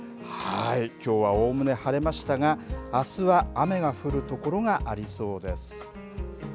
きょうはおおむね晴れましたがあすは雨が降るところがありそうです。